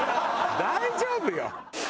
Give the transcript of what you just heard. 大丈夫よ。